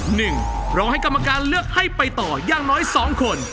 หนึ่งรอให้กรรมการเลือกให้ไปต่ออย่างน้อยสองคน